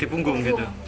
di punggung gitu